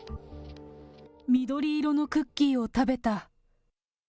緑色のクッキーを食べた。